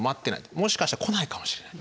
もしかしたら来ないかもしれない。